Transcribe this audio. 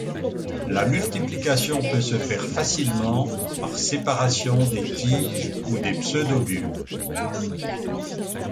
La multiplication peut se faire facilement par séparations des tiges ou des pseudobulbes.